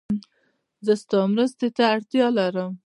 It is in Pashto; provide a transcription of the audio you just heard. زه ستا مرستې ته اړتیا لرم